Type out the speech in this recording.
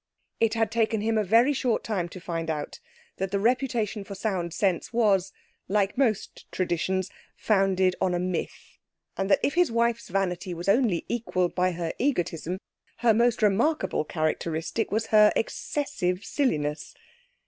It had taken him a very short time to find out that the reputation for sound sense was, like most traditions, founded on a myth, and that if his wife's vanity was only equalled by her egotism, her most remarkable characteristic was her excessive silliness.